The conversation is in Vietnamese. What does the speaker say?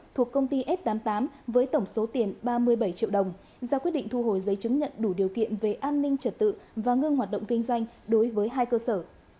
thuộc công ty f tám mươi tám với tổng số tiền ba mươi bảy triệu đồng ra quyết định thu hồi giấy chứng nhận đủ điều kiện về an ninh trật tự và ngưng hoạt động kinh doanh đối với hai cơ sở